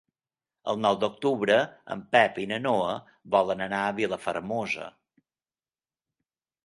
El nou d'octubre en Pep i na Noa volen anar a Vilafermosa.